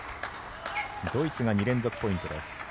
ドイツが２連続ポイントです。